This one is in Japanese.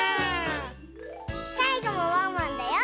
さいごもワンワンだよ！